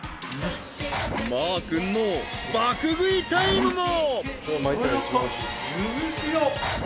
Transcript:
［マー君の爆食いタイムも］